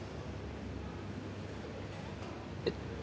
えっ。